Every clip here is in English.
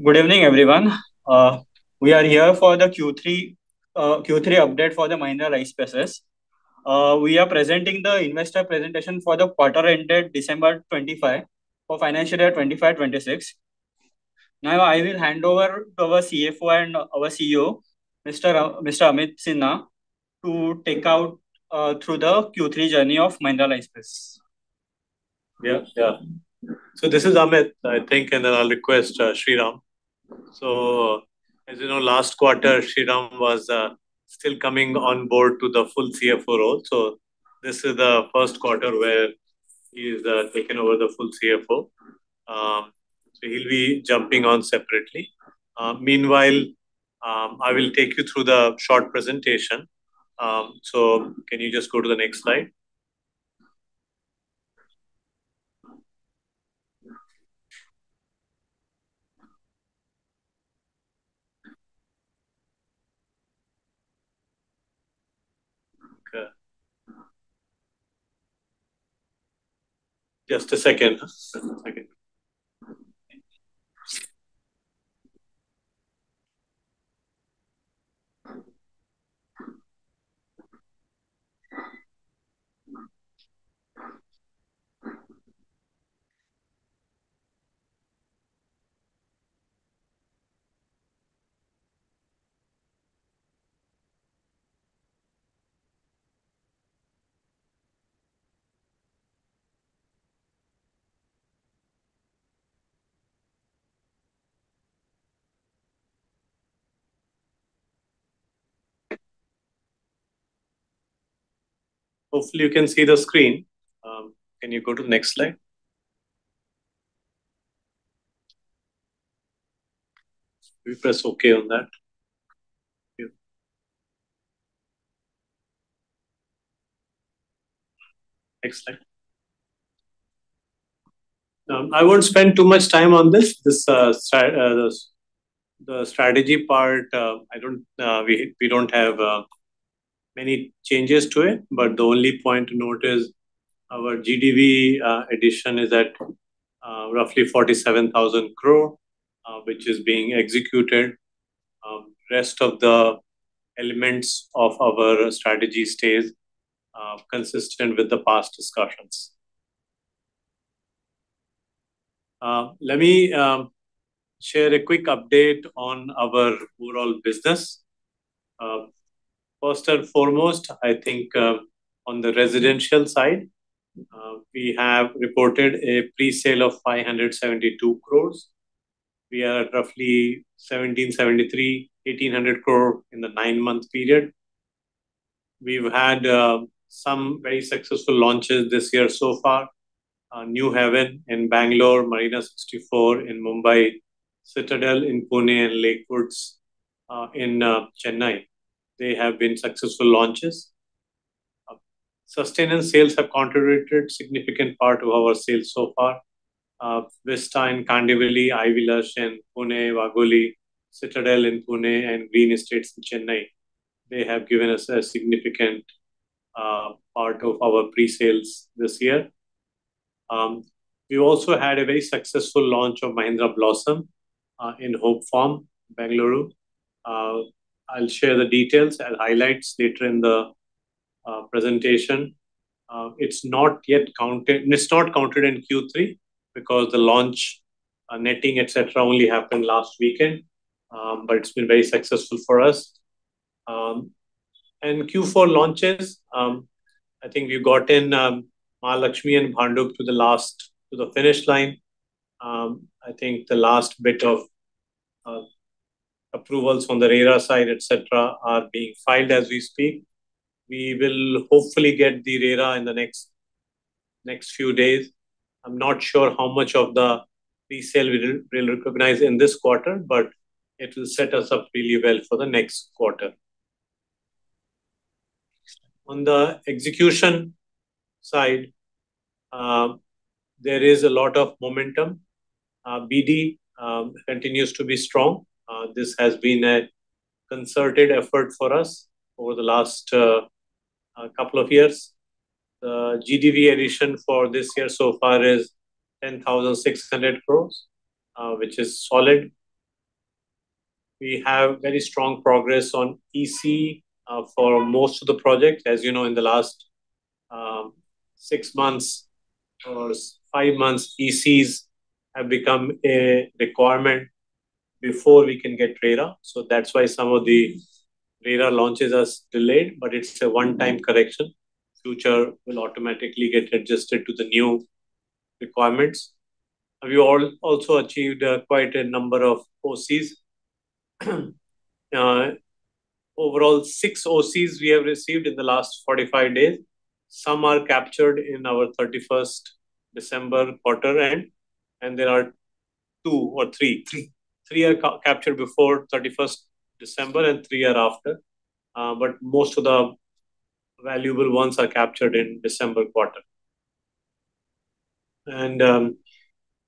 Good evening, everyone. We are here for the Q3 update Mahindra Lifespaces. we are presenting the investor presentation for the quarter ended 25 December, for Financial Year 2025-2026. Now, I will hand over to our CFO and our CEO, Mr. Amit Sinha, to take us through the Q3 journey of Mahindra Lifespaces. Yeah, yeah. So this is Amit, I think, and then I'll request Shriram. So, as you know, last quarter, Shriram was still coming on board to the full CFO role, so this is the first quarter where he's taken over the full CFO. So he'll be jumping on separately. Meanwhile, I will take you through the short presentation. So can you just go to the next slide? Okay. Just a second. Just a second. Hopefully, you can see the screen. Can you go to next slide? You press Okay on that. Yeah. Next slide. I won't spend too much time on this. The strategy part, I don't, we don't have many changes to it, but the only point to note is our GDV addition is at roughly 47,000 crore, which is being executed. Rest of the elements of our strategy stays consistent with the past discussions. Let me share a quick update on our overall business. First and foremost, I think, on the residential side, we have reported a pre-sale of 572 crore. We are at roughly 1,773 crore-1,800 crore in the nine-month period. We've had some very successful launches this year so far. New Haven in Bengaluru, Marina 64 in Mumbai, Citadel in Pune, and Lakewoods in Chennai. They have been successful launches. Sustained sales have contributed significant part of our sales so far. This time, Kandivali, Happinest in Pune, Wakad, Citadel in Pune, and Green Estates in Chennai. They have given us a significant part of our pre-sales this year. We also had a very successful launch of Mahindra Blossom in Hope Farm, Bengaluru. I'll share the details and highlights later in the presentation. It's not yet counted. It's not counted in Q3, because the launch, netting, et cetera, only happened last weekend, but it's been very successful for us. And Q4 launches, I think we've gotten Mahalakshmi and Bhandup to the finish line. I think the last bit of approvals on the RERA side, et cetera, are being filed as we speak. We will hopefully get the RERA in the next few days. I'm not sure how much of the pre-sale we'll recognize in this quarter, but it will set us up really well for the next quarter. On the execution side, there is a lot of momentum. BD continues to be strong. This has been a concerted effort for us over the last couple of years. The GDV addition for this year so far is 10,600 crore, which is solid. We have very strong progress on EC for most of the projects. As you know, in the last six months or five months, ECs have become a requirement before we can get RERA. So that's why some of the RERA launches are delayed, but it's a one-time correction. Future will automatically get adjusted to the new requirements. We also achieved quite a number of OCs. Overall, 6 OCs we have received in the last 45 days. Some are captured in our 31st December quarter end, and there are 2 or 3. 3 are captured before 31st December, and 3 are after, but most of the valuable ones are captured in December quarter.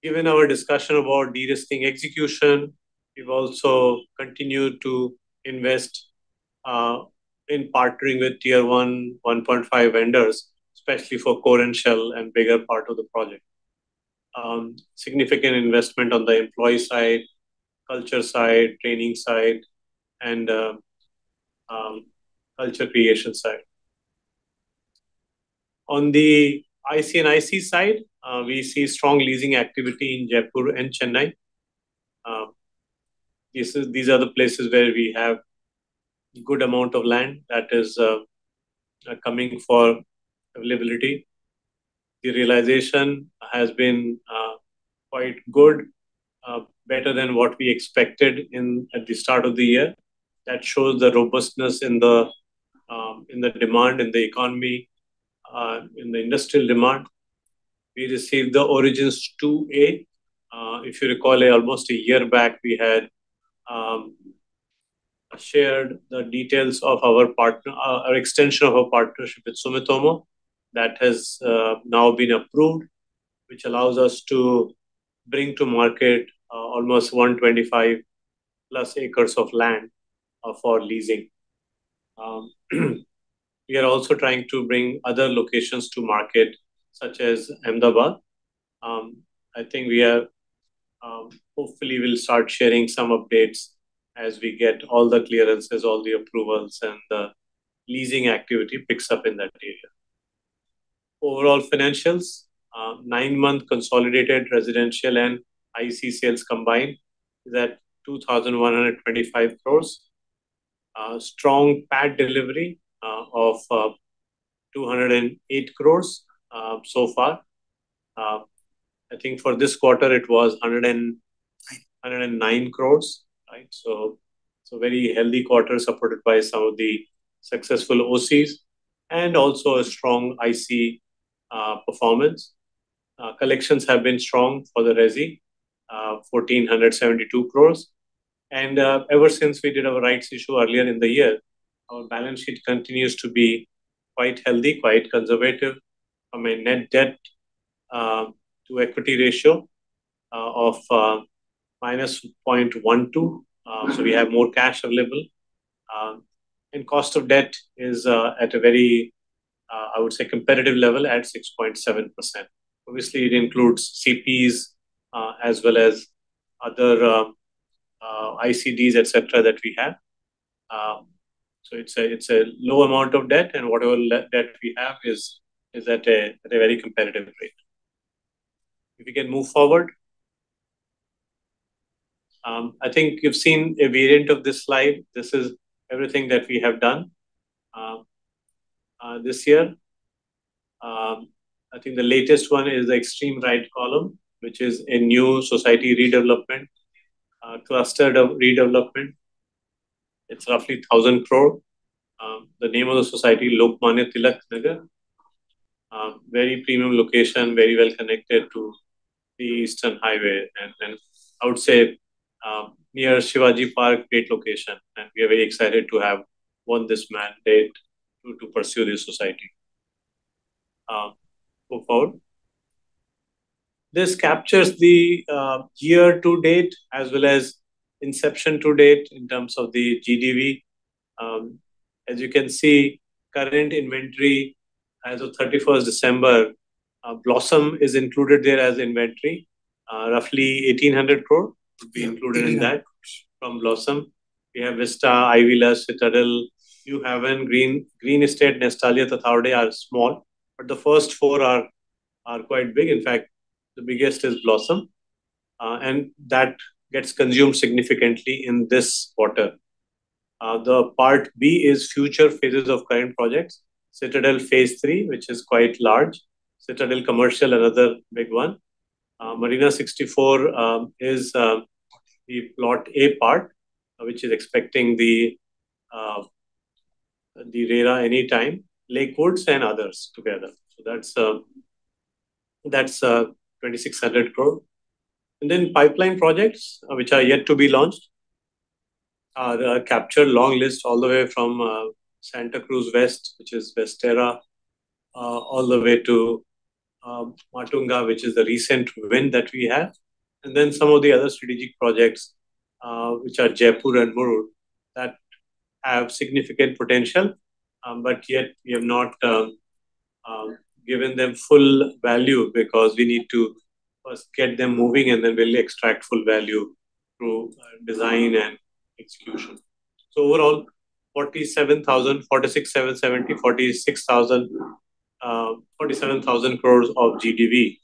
Given our discussion about de-risking execution, we've also continued to invest in partnering with Tier 1, 1.5 vendors, especially for core and shell and bigger part of the project. Significant investment on the employee side, culture side, training side, and culture creation side. On the IC & IC side, we see strong leasing activity in Jaipur and Chennai. These are the places where we have good amount of land that is coming for availability. The realization has been quite good, better than what we expected in at the start of the year. That shows the robustness in the, in the demand, in the economy, in the industrial demand. We received the Origins 2A. If you recall, almost a year back, we had shared the details of our partner our extension of our partnership with Sumitomo. That has now been approved, which allows us to bring to market almost 125+ acres of land for leasing. We are also trying to bring other locations to market, such as Ahmedabad. I think we are Hopefully, we'll start sharing some updates as we get all the clearances, all the approvals, and the leasing activity picks up in that area. Overall financials, nine-month consolidated residential and IC sales combined is at 2,125 crores. Strong PAT delivery, of, two hundred and eight crores, so far. I think for this quarter, it was hundred and, hundred and nine crores, right? So, so very healthy quarter, supported by some of the successful OCs, and also a strong IC, performance. Collections have been strong for the resi, fourteen hundred and seventy-two crores. And, ever since we did our rights issue earlier in the year, our balance sheet continues to be quite healthy, quite conservative, from a net debt, to equity ratio, of, minus point one two. So we have more cash available. And cost of debt is, at a very, I would say, competitive level at 6.7%. Obviously, it includes CPs, as well as other, ICDs, et cetera, that we have. So it's a, it's a low amount of debt, and whatever debt we have is, is at a, at a very competitive rate. If we can move forward. I think you've seen a variant of this slide. This is everything that we have done, this year. I think the latest one is the extreme right column, which is a new society redevelopment, cluster redevelopment. It's roughly 1,000 crore. The name of the society, Lokmanya Tilak Nagar. Very premium location, very well connected to the Eastern Highway, and then, I would say, near Shivaji Park, great location, and we are very excited to have won this mandate to, to pursue this society. Move forward. This captures the year to date, as well as inception to date in terms of the GDV. As you can see, current inventory as of 31st December, Blossom is included there as inventory. Roughly 1,800 crore would be included in that from Blossom. We have Vista, Vivante, Citadel, New Heaven, Green, Green Estate, Nestalgia, Tathawade are small, but the first four are quite big. In fact, the biggest is Blossom, and that gets consumed significantly in this quarter. The part B is future phases of current projects. Citadel Phase Three, which is quite large. Citadel Commercial, another big one. Marina 64 is the Plot A part, which is expecting the RERA anytime. Lakewoods and others together. So that's 2,600 crore. And then pipeline projects, which are yet to be launched, capture long list all the way from Santa Cruz West, which is Vesterra, all the way to Matunga, which is the recent win that we have. And then some of the other strategic projects, which are Jaipur and Murud, that have significant potential, but yet we have not given them full value because we need to first get them moving, and then we'll extract full value through design and execution. So overall, 47,000 crore 46,770 crore, 46,000 crore, 47,000 crore of GDV,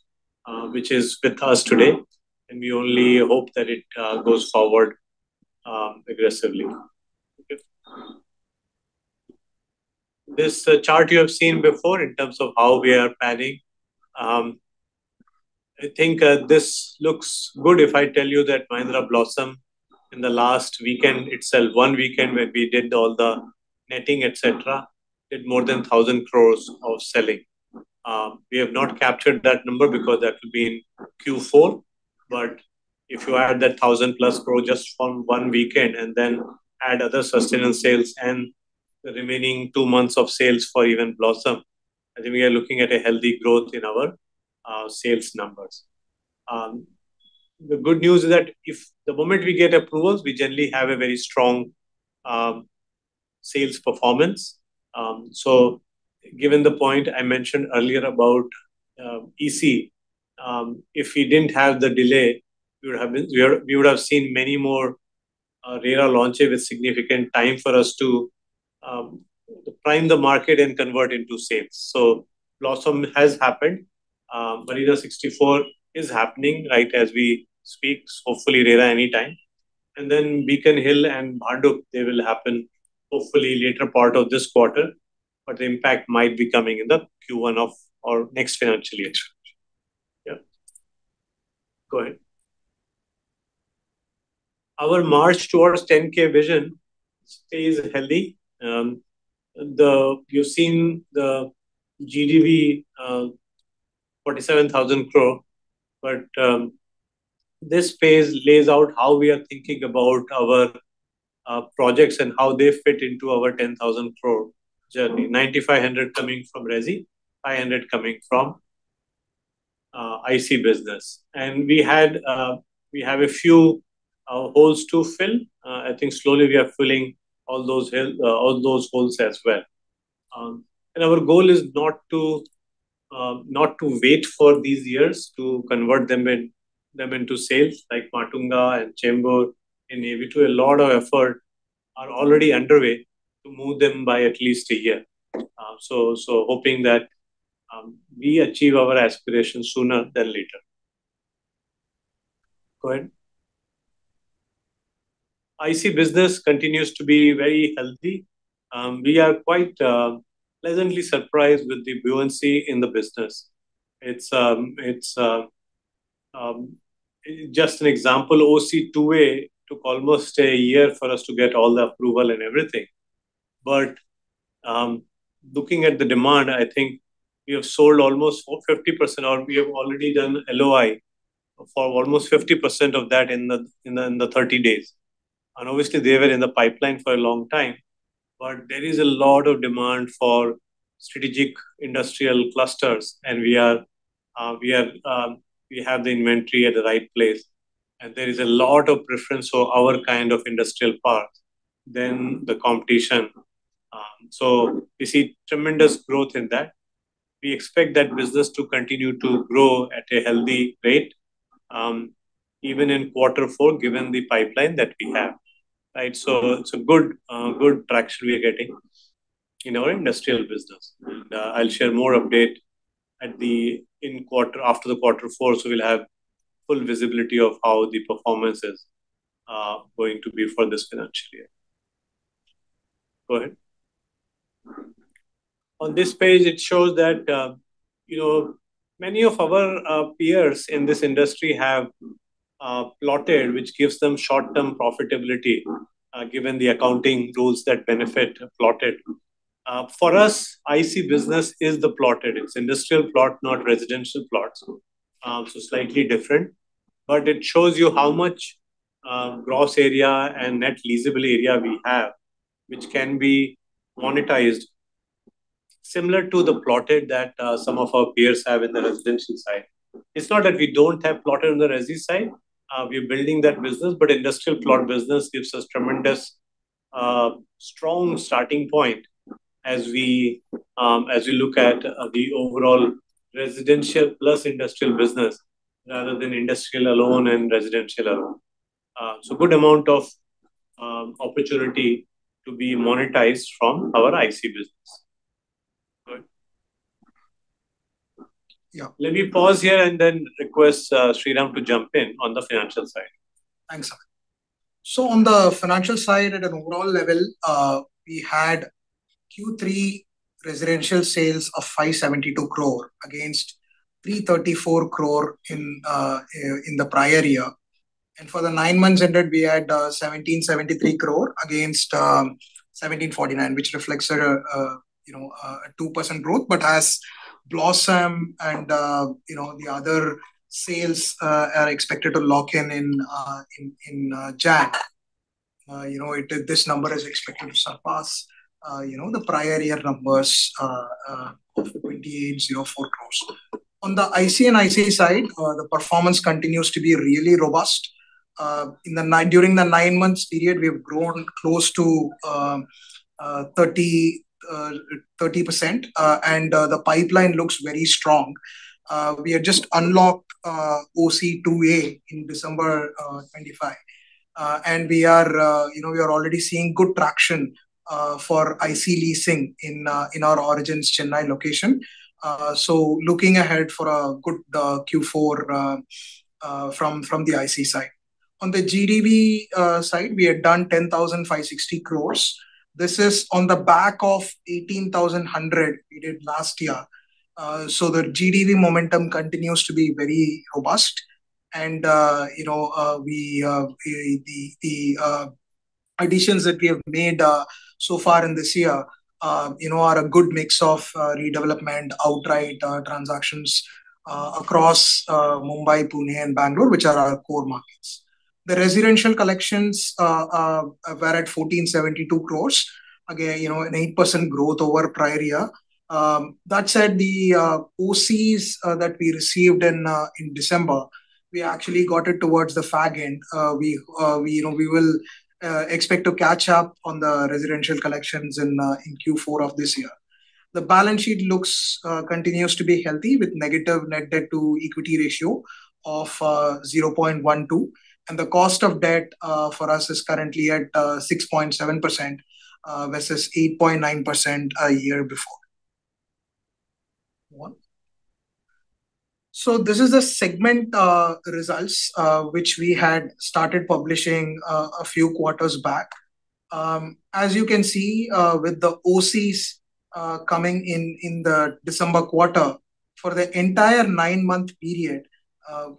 which is with us today, and we only hope that it goes forward aggressively. Okay. This chart you have seen before in terms of how we are planning. I think, this looks good if I tell you that Mahindra Blossom, in the last weekend itself, one weekend when we did all the netting, et cetera, did more than 1,000 crore of selling. We have not captured that number because that will be in Q4. But if you add that thousand plus crore just from one weekend, and then add other sustainable sales and the remaining two months of sales for even Blossom, I think we are looking at a healthy growth in our sales numbers. The good news is that if the moment we get approvals, we generally have a very strong sales performance. So given the point I mentioned earlier about EC, if we didn't have the delay, we would have seen many more RERA launches with significant time for us to prime the market and convert into sales. So Blossom has happened. Marina 64 is happening right as we speak, so hopefully RERA anytime. And then Beacon Hill and Bhandup, they will happen hopefully later part of this quarter, but the impact might be coming in the Q1 of our next financial year. Yeah. Go ahead. Our march towards 10K vision stays healthy. You've seen the GDV, 47,000 crore, but this phase lays out how we are thinking about our projects and how they fit into our 10,000 crore journey. 9,500 coming from Resi, 500 coming from IC business. And we had, we have a few holes to fill. I think slowly we are filling all those holes as well. And our goal is not to, not to wait for these years to convert them in, them into sales, like Matunga and Chembur, and maybe to a lot of effort are already underway to move them by at least a year. So, so hoping that, we achieve our aspirations sooner than later. Go ahead. IC business continues to be very healthy. We are quite, pleasantly surprised with the buoyancy in the business. It's, it's, just an example, OC-two A took almost a year for us to get all the approval and everything. But looking at the demand, I think we have sold almost 50%, or we have already done LOI for almost 50% of that in the 30 days. And obviously, they were in the pipeline for a long time, but there is a lot of demand for strategic industrial clusters, and we are, we have the inventory at the right place, and there is a lot of preference for our kind of industrial park than the competition. So we see tremendous growth in that. We expect that business to continue to grow at a healthy rate, even in quarter four, given the pipeline that we have, right? So it's a good, good traction we are getting in our industrial business. And I'll share more update at the In quarter, after the quarter four, so we'll have full visibility of how the performance is going to be for this financial year. Go ahead. On this page, it shows that, you know, many of our peers in this industry have plotted, which gives them short-term profitability, given the accounting rules that benefit plotted. For us, IC business is the plotted. It's industrial plot, not residential plots. So slightly different, but it shows you how much gross area and net leasable area we have, which can be monetized similar to the plotted that some of our peers have in the residential side. It's not that we don't have plotted on the resi side. We are building that business, but industrial plot business gives us tremendous strong starting point as we look at the overall residential plus industrial business rather than industrial alone and residential alone. So good amount of opportunity to be monetized from our IC business. Good. Yeah. Let me pause here and then request, Sriram, to jump in on the financial side. Thanks, sir. So on the financial side, at an overall level, we had Q3 residential sales of 572 crore against 334 crore in the prior year. And for the nine months ended, we had 1,773 crore against 1,749, which reflects a, you know, a 2% growth. But as Blossom and, you know, the other sales are expected to lock in in January, you know, it-- this number is expected to surpass, you know, the prior year numbers of 2,804 crores. On the IC & IC side, the performance continues to be really robust. During the nine months period, we have grown close to 30%, and the pipeline looks very strong. We have just unlocked OC 2A in December 2025. We are, you know, already seeing good traction for IC leasing in our Origins Chennai location. So looking ahead for a good Q4 from the IC side. On the GDV side, we had done 10,560 crores. This is on the back of 18,100 crores we did last year. So the GDV momentum continues to be very robust. You know, the additions that we have made so far in this year, you know, are a good mix of redevelopment, outright transactions across Mumbai, Pune, and Bengaluru, which are our core markets. The residential collections were at 1,472 crores. Again, you know, an 8% growth over prior year. That said, the OCs that we received in December, we actually got it towards the far end. We, you know, we will expect to catch up on the residential collections in Q4 of this year. The balance sheet looks, continues to be healthy, with negative net debt to equity ratio of 0.12, and the cost of debt for us is currently at 6.7%, versus 8.9%, a year before. One. So this is the segment results which we had started publishing a few quarters back. As you can see, with the OCs coming in, in the December quarter, for the entire nine-month period,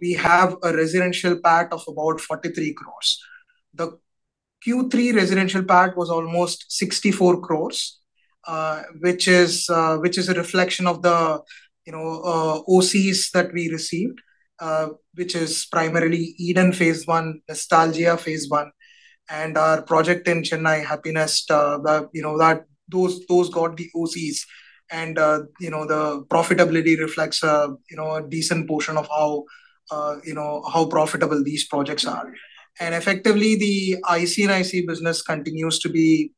we have a residential PAT of about 43 crore. The Q3 residential PAT was almost 64 crore, which is a reflection of the, you know, OCs that we received, which is primarily Eden Phase One, Nostalgia Phase One, and our project in Chennai, Happinest. That, you know, those got the OCs. You know, the profitability reflects, you know, a decent portion of how, you know, how profitable these projects are. Effectively, the IC & IC business continues to be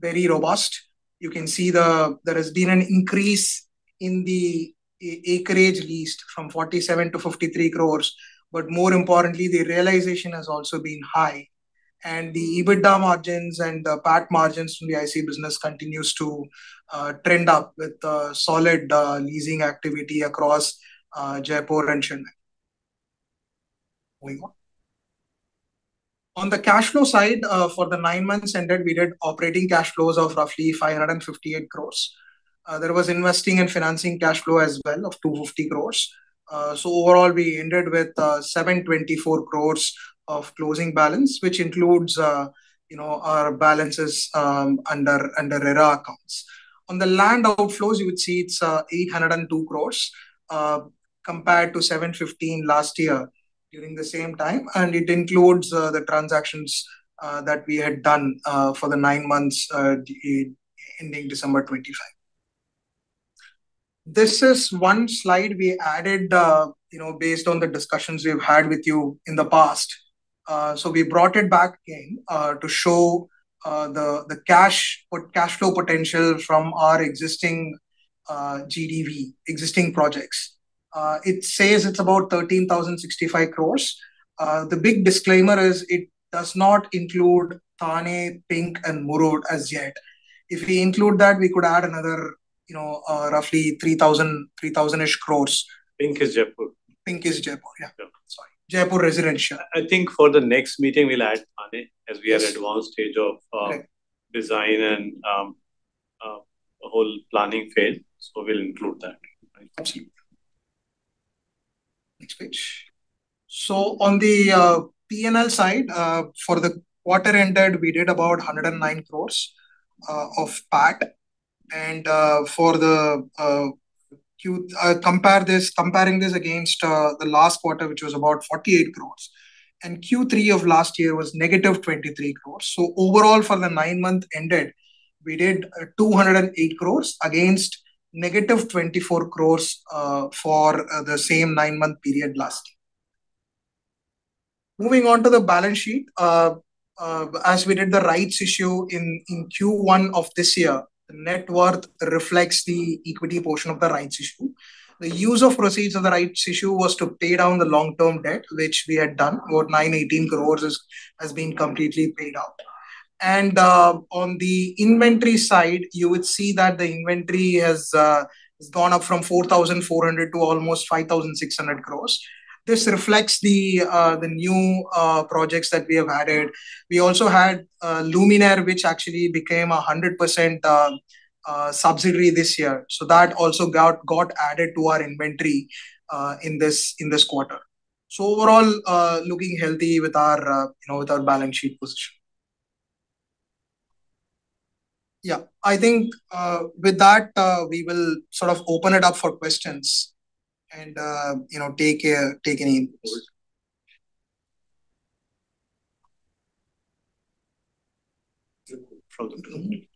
very robust. You can see there has been an increase in the acreage leased from 47 crores to 53 crores, but more importantly, the realization has also been high, and the EBITDA margins and the PAT margins from the IC business continues to trend up with solid leasing activity across Jaipur and Chennai. Moving on. On the cash flow side, for the nine months ended, we did operating cash flows of roughly 558 crores. There was investing and financing cash flow as well of 250 crores. So overall, we ended with 724 crores of closing balance, which includes, you know, our balances under RERA accounts. On the land outflows, you would see it's 802 crore compared to 715 crore last year during the same time, and it includes the transactions that we had done for the nine months ending December 2025. This is one slide we added, you know, based on the discussions we've had with you in the past. So we brought it back again to show the cash flow potential from our existing GDV, existing projects. It says it's about 13,065 crore. The big disclaimer is it does not include Thane, Pink, and Murud as yet. If we include that, we could add another, you know, roughly 3,000, 3,000-ish crore. Pink is Jaipur. Pink is Jaipur. Yeah. Yeah. Sorry. Jaipur Residential. I think for the next meeting, we'll add Thane, as we are Yes advanced stage of, Right design and the whole planning phase, so we'll include that. Absolutely. Next page. So on the PNL side, for the quarter ended, we did about 109 crore of PAT. Comparing this against the last quarter, which was about 48 crore, and Q3 of last year was negative 23 crore. So overall, for the nine months ended, we did 208 crore against negative 24 crore for the same nine-month period last year. Moving on to the balance sheet. As we did the rights issue in Q1 of this year, the net worth reflects the equity portion of the rights issue. The use of proceeds of the rights issue was to pay down the long-term debt, which we had done. About 918 crore has been completely paid up. On the inventory side, you would see that the inventory has gone up from 4,400 crores to almost 5,600 crores. This reflects the new projects that we have added. We also had Luminare, which actually became a 100% subsidiary this year, so that also got added to our inventory in this quarter. So overall, looking healthy with our, you know, with our balance sheet position. Yeah. I think with that, we will sort of open it up for questions and, you know, take any input. Pardon me?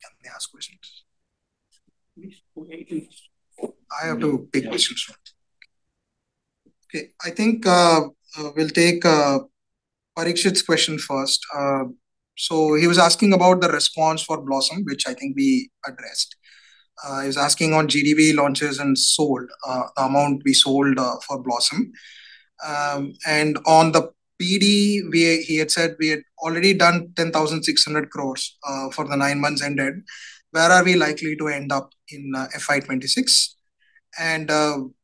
Can they ask questions? I have two big questions. Okay. I think, we'll take Parikshit's question first. So he was asking about the response for Blossom, which I think we addressed. He's asking on GDV launches and sold, the amount we sold, for Blossom. And on the PD, we, he had said we had already done 10,600 crore for the nine months ended. Where are we likely to end up in FY 2026? And,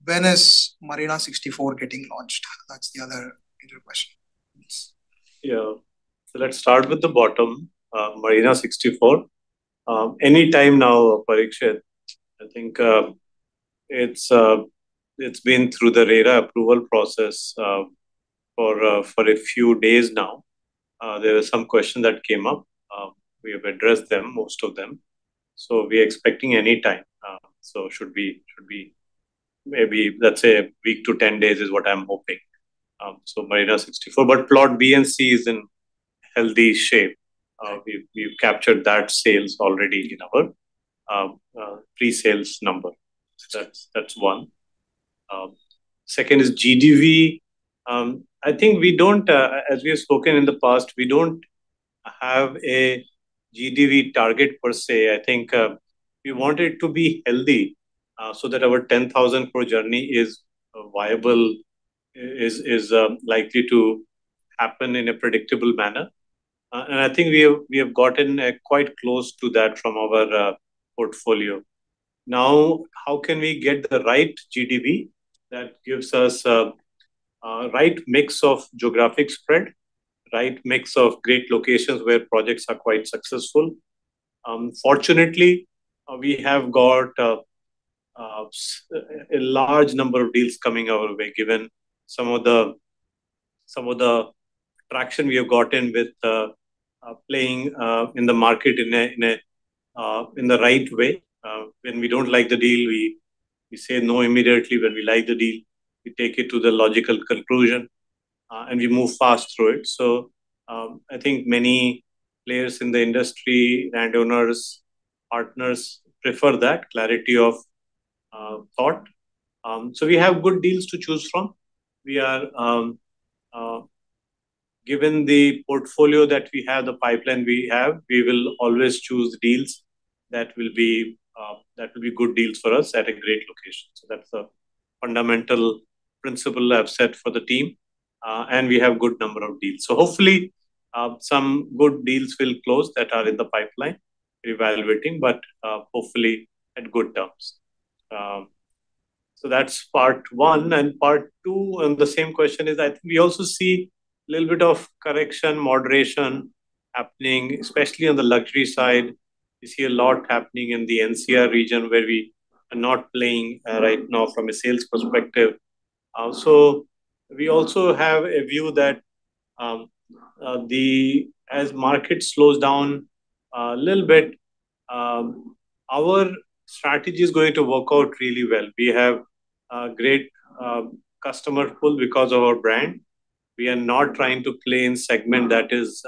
when is Marina 64 getting launched? That's the other major question. Yeah. So let's start with the bottom, Marina 64. Any time now, Parikshit. I think it's been through the RERA approval process for a few days now. There were some questions that came up. We have addressed them, most of them. So we are expecting any time, so should be maybe, let's say, a week to 10 days is what I'm hoping. So Marina 64, but Plot B and C is in healthy shape. We've captured that sales already in our pre-sales number. So that's one. Second is GDV. I think we don't, as we have spoken in the past, we don't have a GDV target per se. I think, we want it to be healthy, so that our 10,000 crore journey is viable, is likely to happen in a predictable manner. And I think we have, we have gotten, quite close to that from our, portfolio. Now, how can we get the right GDV that gives us, right mix of geographic spread, right mix of great locations where projects are quite successful? Fortunately, we have got, a large number of deals coming our way, given some of the, some of the traction we have gotten with, playing, in the market in a, in a, in the right way. When we don't like the deal, we, we say no immediately. When we like the deal, we take it to the logical conclusion, and we move fast through it. So, I think many players in the industry, landowners, partners, prefer that clarity of thought. So we have good deals to choose from. We are, given the portfolio that we have, the pipeline we have, we will always choose deals that will be good deals for us at a great location. So that's the fundamental principle I've set for the team, and we have good number of deals. So hopefully, some good deals will close that are in the pipeline we're evaluating, but, hopefully at good terms. So that's part one. And part two, and the same question is that we also see a little bit of correction, moderation happening, especially on the luxury side. We see a lot happening in the NCR region, where we are not playing right now from a sales perspective. So we also have a view that as market slows down a little bit, our strategy is going to work out really well. We have a great customer pool because of our brand. We are not trying to play in segment that is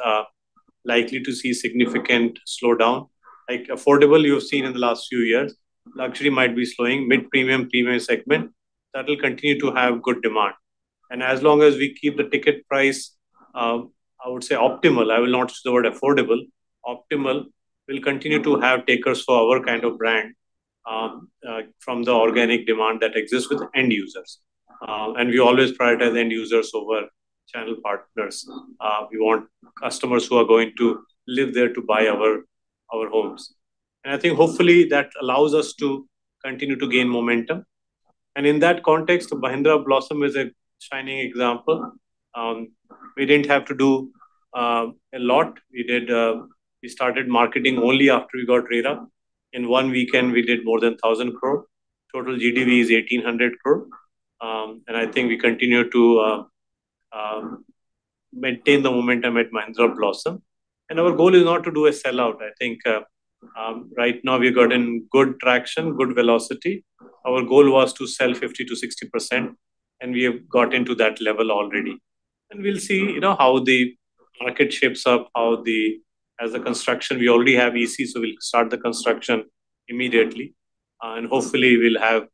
likely to see significant slowdown. Like affordable, you've seen in the last few years, luxury might be slowing. Mid-premium, premium segment, that will continue to have good demand. And as long as we keep the ticket price, I would say optimal, I will not use the word affordable, optimal, we'll continue to have takers for our kind of brand from the organic demand that exists with end users. And we always prioritize end users over channel partners. We want customers who are going to live there to buy our, our homes. And I think hopefully that allows us to continue to gain momentum. And in that context, Mahindra Blossom is a shining example. We didn't have to do a lot. We did, we started marketing only after we got RERA. In one weekend, we did more than 1,000 crore. Total GDV is 1,800 crore. And I think we continue to maintain the momentum at Mahindra Blossom. And our goal is not to do a sellout. I think, right now we've gotten good traction, good velocity. Our goal was to sell 50%-60%, and we have got into that level already. And we'll see, you know, how the market shapes up, how the as a construction, we already have EC, so we'll start the construction immediately. And hopefully, we'll have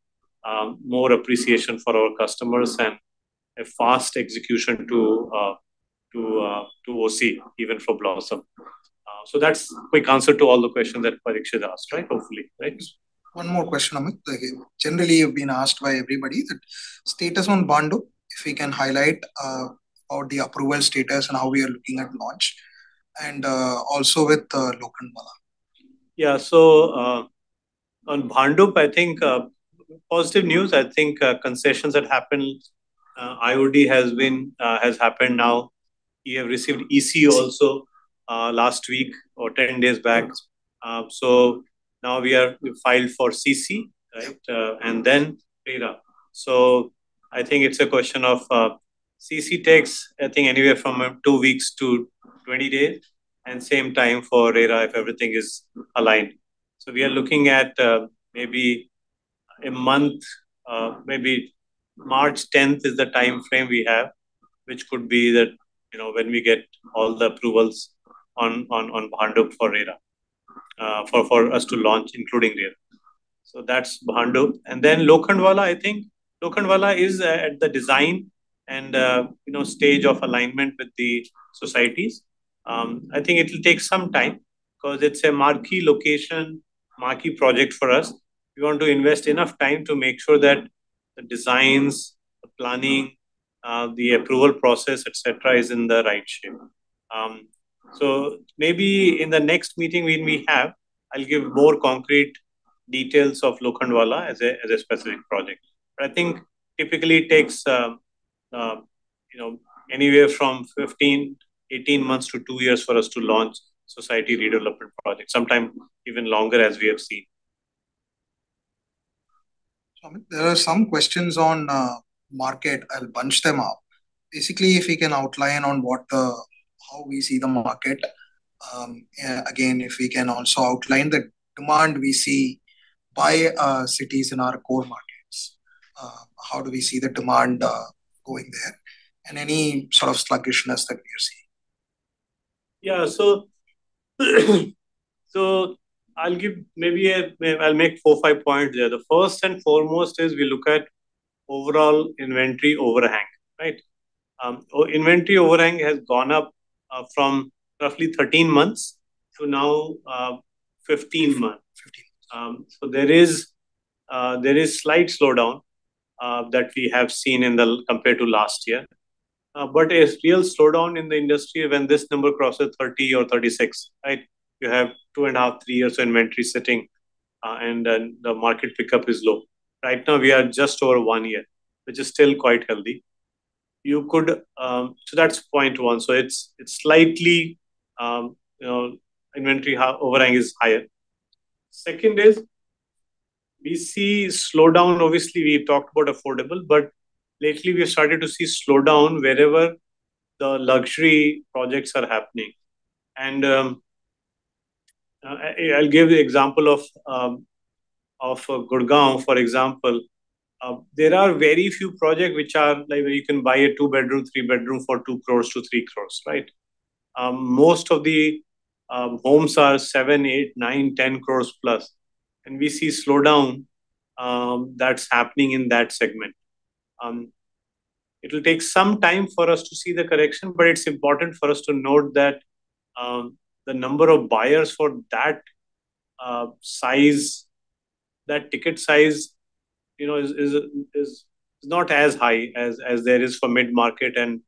more appreciation for our customers and a fast execution to OC, even for Blossom. So that's quick answer to all the questions that Parikshit asked, right? Hopefully, right. One more question, Amit. Generally, you've been asked by everybody, the status on Bhandup, if we can highlight on the approval status and how we are looking at launch, and also with Lokhandwala. Yeah. So, on Bhandup, I think, positive news, I think, concessions that happened, IOD has been, has happened now. We have received EC also, last week or 10 days back. So now we filed for CC, right, and then RERA. So I think it's a question of, CC takes, I think, anywhere from two weeks to 20 days, and same time for RERA, if everything is aligned. So we are looking at, maybe a month, maybe March tenth is the time frame we have, which could be that, you know, when we get all the approvals on Bhandup for RERA, for us to launch, including RERA. So that's Bhandup. And then Lokhandwala, I think Lokhandwala is at the design and, you know, stage of alignment with the societies. I think it'll take some time because it's a marquee location, marquee project for us. We want to invest enough time to make sure that the designs, the planning, the approval process, et cetera, is in the right shape. So maybe in the next meeting we may have, I'll give more concrete details of Lokhandwala as a, as a specific project. But I think typically it takes, you know, anywhere from 15-18 months to 2 years for us to launch society redevelopment project, sometime even longer, as we have seen. So there are some questions on market. I'll bunch them up. Basically, if we can outline on how we see the market. Again, if we can also outline the demand we see by cities in our core markets. How do we see the demand going there? And any sort of sluggishness that we are seeing. Yeah, so I'll give maybe a Maybe I'll make 4, 5 points there. The first and foremost is we look at overall inventory overhang, right? Inventory overhang has gone up from roughly 13 months to now 15 months. Fifteen months. So there is slight slowdown that we have seen in the compared to last year. But a real slowdown in the industry when this number crosses 30 or 36, right? You have 2.5-3 years of inventory sitting, and then the market pickup is low. Right now, we are just over one year, which is still quite healthy. You could So that's point one, so it's slightly, you know, inventory overhang is higher. Second is, we see slowdown. Obviously, we talked about affordable, but lately we have started to see slowdown wherever the luxury projects are happening. And I'll give the example of Gurgaon, for example. There are very few projects which are, like, where you can buy a two-bedroom, three-bedroom for 2 crore-3 crore, right? Most of the homes are 7-10 crores plus, and we see slowdown that's happening in that segment. It'll take some time for us to see the correction, but it's important for us to note that the number of buyers for that size, that ticket size, you know, is not as high as there is for mid-market and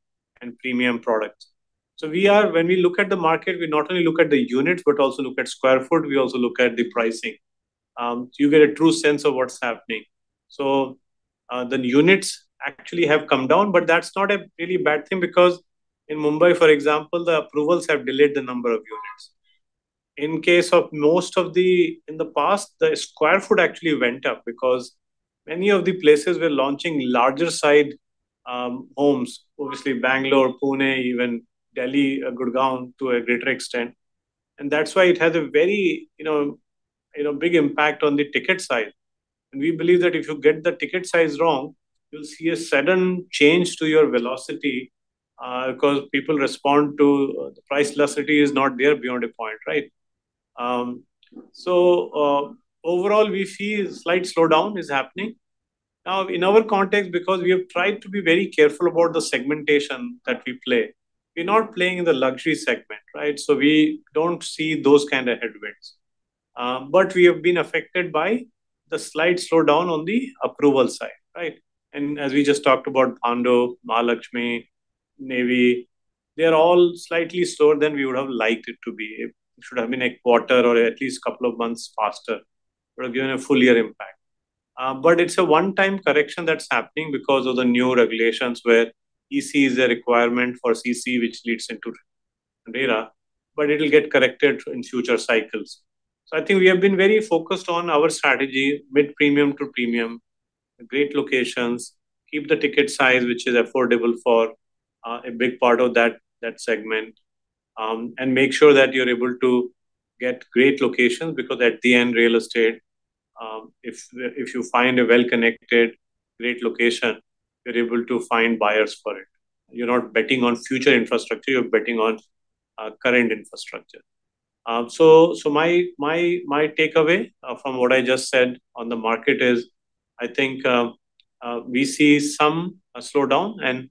premium products. So when we look at the market, we not only look at the units, but also look at square foot, we also look at the pricing. So you get a true sense of what's happening. So the units actually have come down, but that's not a really bad thing, because in Mumbai, for example, the approvals have delayed the number of units. In case of most of the In the past, the square foot actually went up because many of the places were launching larger side homes. Obviously, Bangalore, Pune, even Delhi, Gurgaon to a greater extent, and that's why it has a very, you know, big impact on the ticket size. And we believe that if you get the ticket size wrong, you'll see a sudden change to your velocity because people respond to The price velocity is not there beyond a point, right? So, overall, we see a slight slowdown is happening. Now, in our context, because we have tried to be very careful about the segmentation that we play, we're not playing in the luxury segment, right? So we don't see those kind of headwinds. But we have been affected by the slight slowdown on the approval side, right? As we just talked about, Bhandup, Mahalakshmi, Navy, they're all slightly slower than we would have liked it to be. It should have been a quarter or at least couple of months faster, would have given a full year impact. But it's a one-time correction that's happening because of the new regulations, where EC is a requirement for CC, which leads into RERA, but it'll get corrected in future cycles. So I think we have been very focused on our strategy, mid-premium to premium, great locations, keep the ticket size, which is affordable for, a big part of that, that segment. And make sure that you're able to get great locations, because at the end, real estate, if you find a well-connected, great location, you're able to find buyers for it. You're not betting on future infrastructure, you're betting on, current infrastructure. So, my takeaway from what I just said on the market is, I think, we see some slowdown and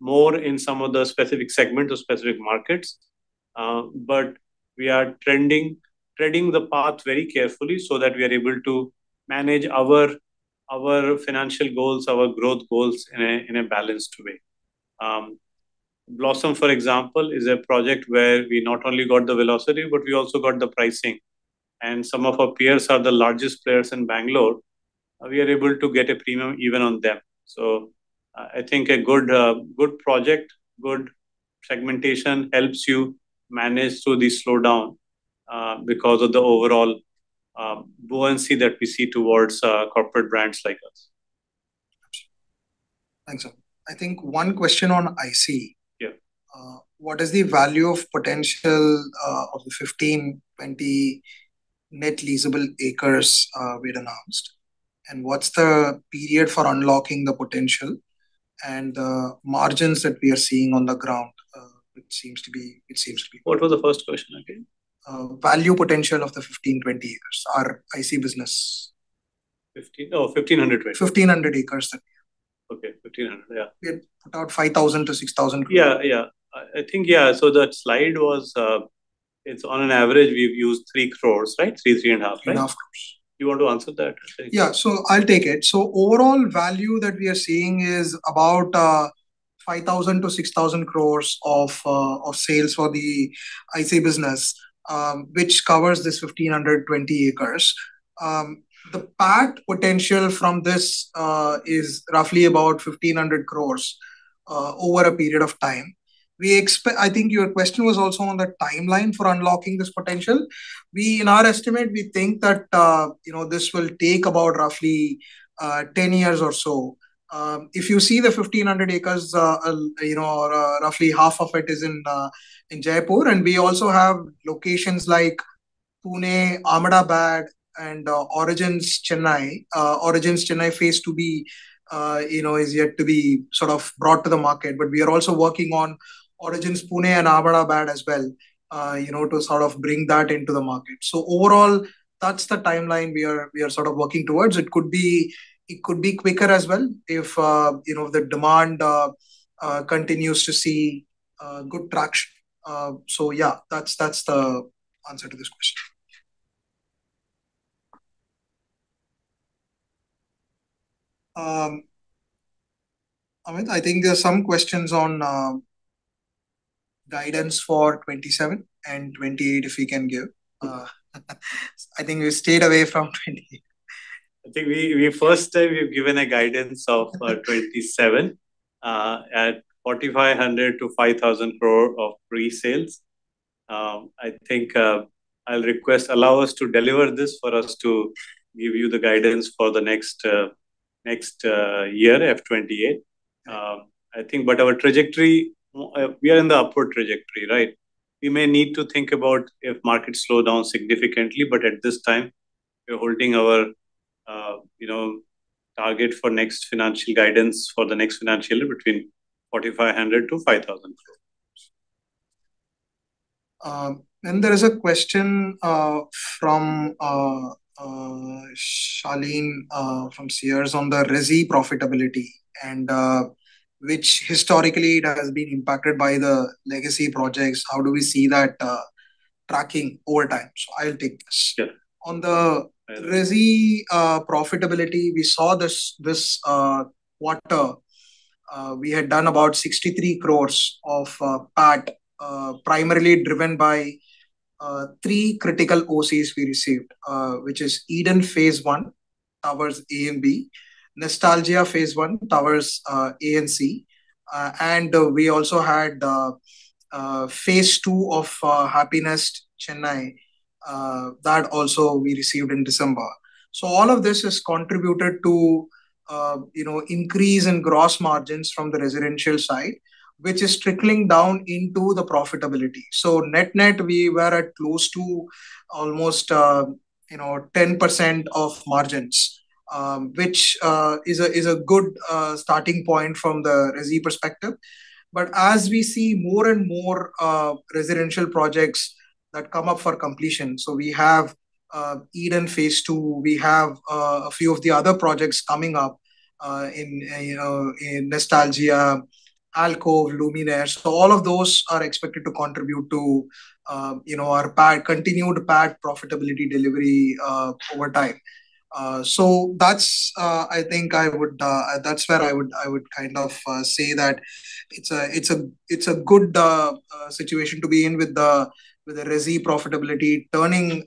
more in some of the specific segments or specific markets. But we are trending the path very carefully so that we are able to manage our financial goals, our growth goals in a balanced way. Blossom, for example, is a project where we not only got the velocity, but we also got the pricing. And some of our peers are the largest players in Bangalore, we are able to get a premium even on them. So, I think a good project, good segmentation helps you manage through the slowdown, because of the overall buoyancy that we see towards corporate brands like us. Thanks, sir. I think one question on IC. Yeah. What is the value of potential of the 15-20 net leaseable acres we'd announced? And what's the period for unlocking the potential and the margins that we are seeing on the ground? It seems to be What was the first question again? Value potential of the 15-20 years, our IC business. Oh, 1,500, right? 1,500 acres. Okay, 1,500. Yeah. We have about 5,000-6,000 crore. Yeah, yeah. I think, yeah, so that slide was, it's on an average, we've used 3 crore, right? 3-3.5 crore, right? Yeah, of course. You want to answer that? Yeah. So I'll take it. So overall value that we are seeing is about 5,000-6,000 crore of sales for the IC business, which covers this 1,500-20 acres. The part potential from this is roughly about 1,500 crore over a period of time. I think your question was also on the timeline for unlocking this potential. We, in our estimate, we think that, you know, this will take about roughly 10 years or so. If you see the 1,500 acres, you know, or, roughly half of it is in Jaipur, and we also have locations like Pune, Ahmedabad, and Origins Chennai. Origins Chennai Phase 2B, you know, is yet to be sort of brought to the market. But we are also working on Origins Pune and Ahmedabad as well, you know, to sort of bring that into the market. So overall, that's the timeline we are, we are sort of working towards. It could be, it could be quicker as well if, you know, the demand, continues to see, good traction. So yeah, that's, that's the answer to this question. Amit, I think there are some questions on, guidance for 2027 and 2028, if we can give. I think we stayed away from 2028. I think we first time we've given a guidance of 27 at 4,500-5,000 crore of pre-sales. I think, I'll request allow us to deliver this for us to give you the guidance for the next year, FY 2028. I think, but our trajectory, we are in the upward trajectory, right? We may need to think about if markets slow down significantly, but at this time, we're holding our, you know, target for next financial guidance for the next financial year between 4,500-5,000 crore. And there is a question from Shalini from Sears on the resi profitability, and which historically it has been impacted by the legacy projects. How do we see that tracking over time? So I'll take this. Sure. On the resi profitability, we saw this quarter we had done about 63 crore of PAT primarily driven by three critical OCs we received, which is Eden phase one, towers A and B, Nostalgia phase one, towers A and C. And we also had phase two of Happinest Chennai, that also we received in December. So all of this has contributed to, you know, increase in gross margins from the residential side, which is trickling down into the profitability. So net-net, we were at close to almost, you know, 10% of margins, which is a good starting point from the resi perspective. But as we see more and more residential projects that come up for completion, so we have Eden phase two, we have a few of the other projects coming up in, you know, in Nestalgia, Alcove, Luminare. So all of those are expected to contribute to, you know, our PAT, continued PAT profitability delivery over time. So that's, I think I would, that's where I would, I would kind of say that it's a, it's a, it's a good situation to be in with the, with the resi profitability turning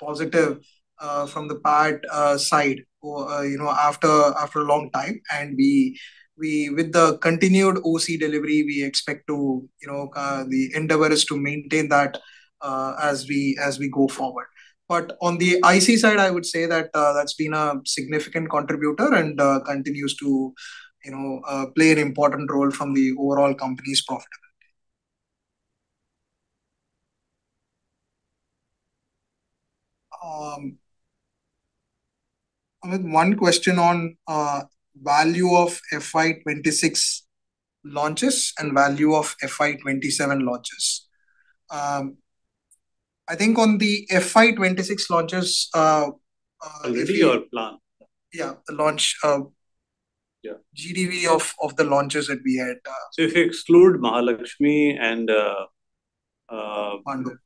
positive from the PAT side, you know, after, after a long time. And we, we with the continued OC delivery, we expect to, you know, the endeavor is to maintain that as we, as we go forward. But on the IC side, I would say that, that's been a significant contributor and, continues to, you know, play an important role from the overall company's profitability. Amit, one question on, value of FY 2026 launches and value of FY 2027 launches. I think on the FY 2026 launches, Delivery or plan? Yeah, the launch. Yeah. GDV of, of the launches that we had So if you exclude Mahalakshmi and Bhandup.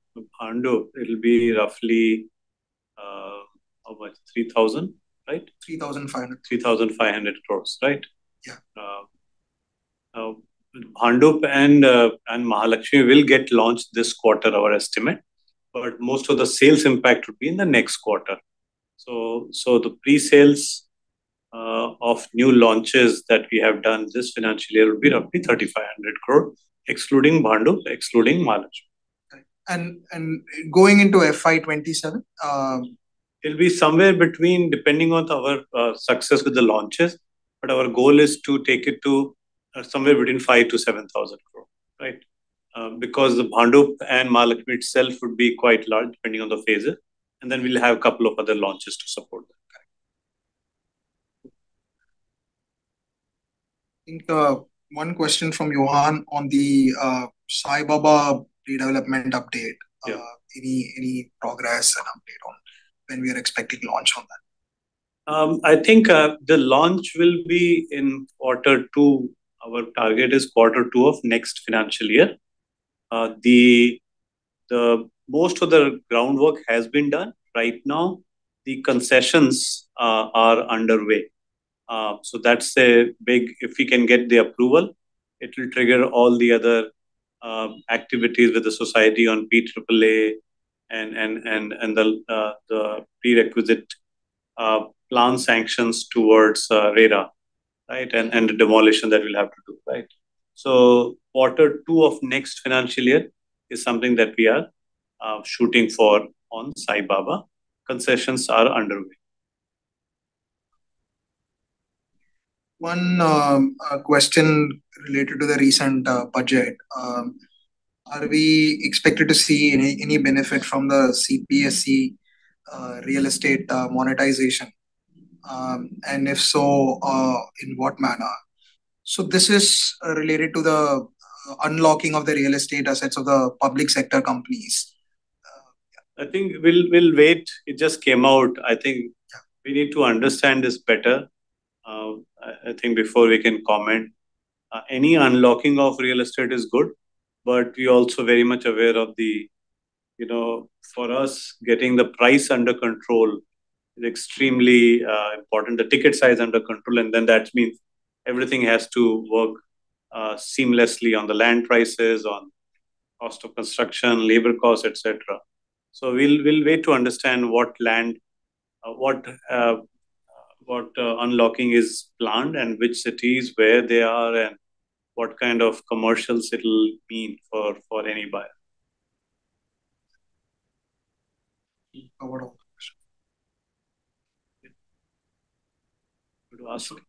Bhandup, it'll be roughly, how much? 3,000, right? 3,500. 3,500 crore, right? Yeah. Bhandup and Mahalakshmi will get launched this quarter, our estimate, but most of the sales impact would be in the next quarter. So the pre-sales of new launches that we have done this financial year will be roughly 3,500 crore, excluding Bhandup, excluding Mahalakshmi. Right. And going into FY 2027, It'll be somewhere between, depending on our success with the launches, but our goal is to take it to, somewhere between 5,000 crore-7,000 crore, right? Because the Bhandup and Mahalakshmi itself would be quite large, depending on the phase, and then we'll have a couple of other launches to support that. Correct. I think, one question from Johann on the Sai Baba redevelopment update. Yeah. Any progress and update on when we are expecting launch on that? I think the launch will be in quarter two. Our target is quarter two of next financial year. The most of the groundwork has been done. Right now, the concessions are underway. So that's a big If we can get the approval, it will trigger all the other activities with the society on PAAA and the prerequisite plan sanctions towards RERA, right? And the demolition that we'll have to do, right? So quarter two of next financial year is something that we are shooting for on Sai Baba. Concessions are underway. One question related to the recent budget. Are we expected to see any benefit from the CPSE real estate monetization? And if so, in what manner? So this is related to the unlocking of the real estate assets of the public sector companies. Yeah. I think we'll wait. It just came out. I think- Yeah we need to understand this better, I think before we can comment. Any unlocking of real estate is good, but we're also very much aware of the, you know, for us, getting the price under control is extremely important, the ticket size under control, and then that means everything has to work seamlessly on the land prices, on cost of construction, labor costs, et cetera. So we'll wait to understand what land, what unlocking is planned and which cities, where they are, and what kind of commercials it'll mean for any buyer. No follow-up question. Good answer. Yeah.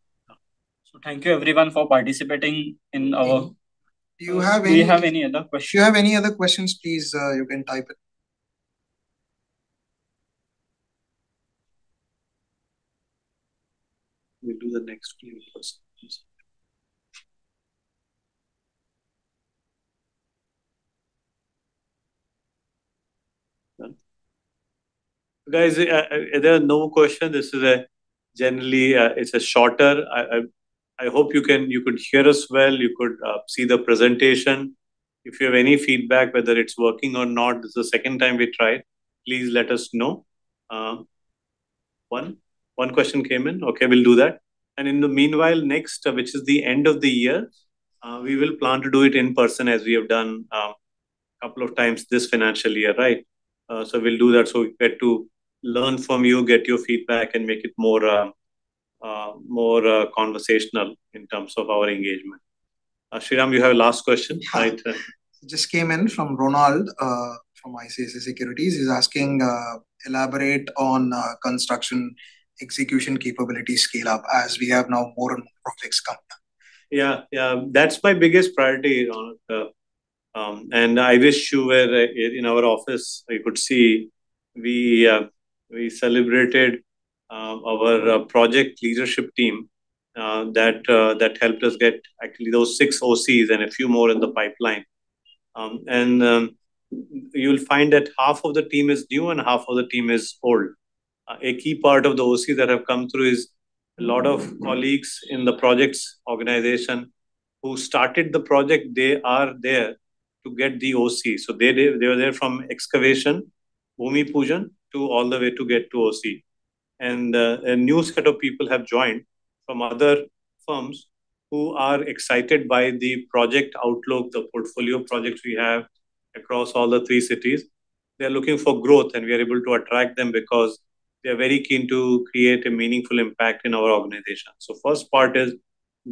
So, thank you everyone for participating in our- Do you have any Do you have any other questions? If you have any other questions, please, you can type it. We'll do the next Q first. Guys, there are no question. This is a generally, it's a shorter, I hope you can, you could hear us well, you could see the presentation. If you have any feedback, whether it's working or not, this is the second time we tried, please let us know. One question came in. Okay, we'll do that. And in the meanwhile, next, which is the end of the year, we will plan to do it in person as we have done, couple of times this financial year, right? So we'll do that so we get to learn from you, get your feedback, and make it more conversational in terms of our engagement. Shriram, you have a last question? Yeah. Just came in from Ronald from Sharekhan. He's asking, "Elaborate on construction execution capability scale-up as we have now more projects come. Yeah. Yeah, that's my biggest priority, Ronald. I wish you were in our office so you could see. We celebrated our project leadership team that helped us get actually those six OCs and a few more in the pipeline. You'll find that half of the team is new and half of the team is old. A key part of the OCs that have come through is a lot of colleagues in the projects organization who started the project. They are there to get the OC. So they were there from excavation, Bhumi Pujan, to all the way to get to OC. A new set of people have joined from other firms who are excited by the project outlook, the portfolio of projects we have across all the three cities. They're looking for growth, and we are able to attract them because they're very keen to create a meaningful impact in our organization. So first part is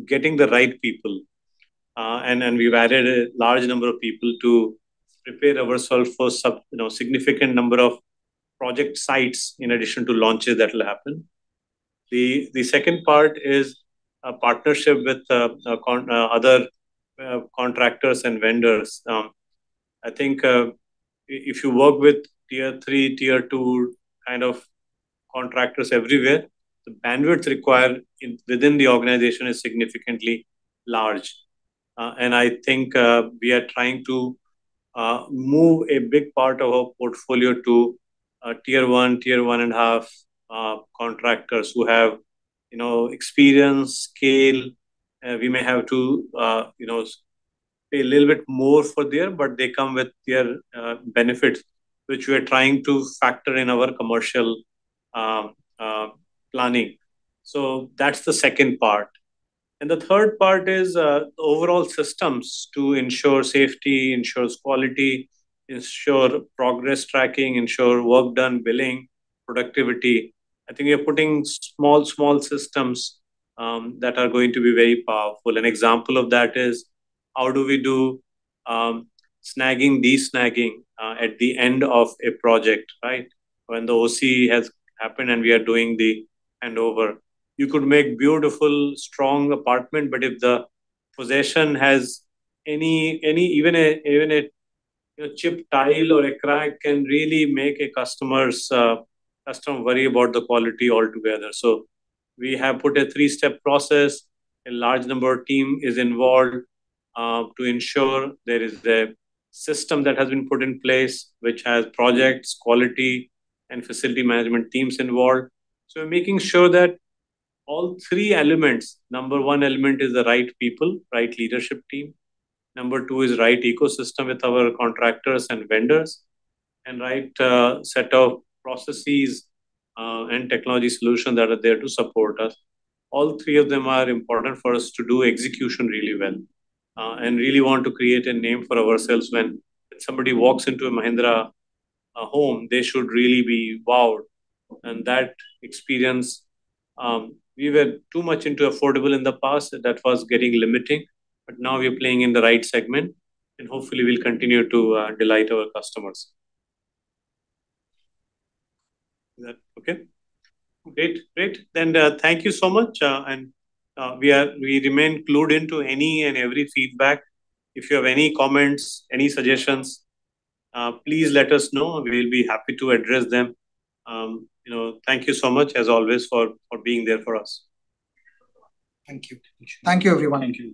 getting the right people. And then we've added a large number of people to prepare ourselves for. You know, significant number of project sites in addition to launches that will happen. The second part is a partnership with other contractors and vendors. I think, if you work with tier three, tier two kind of contractors everywhere, the bandwidth required within the organization is significantly large. And I think, we are trying to move a big part of our portfolio to tier one, tier one and a half contractors who have, you know, experience, scale. We may have to, you know, pay a little bit more for there, but they come with their benefits, which we are trying to factor in our commercial planning. So that's the second part. And the third part is overall systems to ensure safety, ensures quality, ensure progress tracking, ensure work done, billing, productivity. I think we are putting small, small systems that are going to be very powerful. An example of that is, how do we do snagging, de-snagging at the end of a project, right? When the OC has happened and we are doing the handover. You could make beautiful, strong apartment, but if the possession has any, any even a, even a, a chipped tile or a crack can really make a customer's customer worry about the quality altogether. So we have put a three-step process. A large number of team is involved to ensure there is a system that has been put in place, which has projects, quality, and facility management teams involved. So we're making sure that all three elements, number one element is the right people, right leadership team. Number two is right ecosystem with our contractors and vendors, and right set of processes and technology solution that are there to support us. All three of them are important for us to do execution really well, and really want to create a name for ourselves. When somebody walks into a Mahindra home, they should really be wowed. And that experience, we were too much into affordable in the past, and that was getting limiting, but now we're playing in the right segment, and hopefully we'll continue to delight our customers. Is that okay? Great. Great. Thank you so much, and we remain clued into any and every feedback. If you have any comments, any suggestions, please let us know, and we'll be happy to address them. You know, thank you so much, as always, for being there for us. Thank you. Thank you, everyone. Thank you.